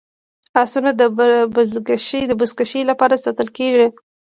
اسونه د بزکشۍ لپاره ساتل کیږي.